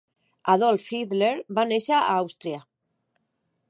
Adolf Hitler va néixer a Àustria